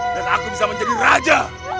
dan aku bisa menjadi raja